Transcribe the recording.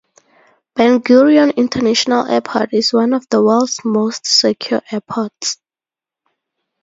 Ben Gurion International Airport is one of the world's most secure airports.